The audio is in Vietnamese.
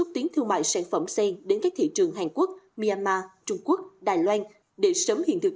đưa sản phẩm sen đến các thị trường hàn quốc myanmar trung quốc đài loan để sớm hiện thực